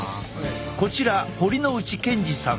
こちら堀之内健二さん。